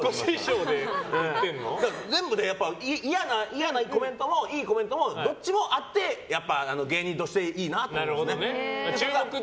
全部嫌なコメントもいいコメントもどっちもあって芸人としていいなと思うので。